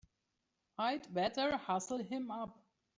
I'd better hustle him up!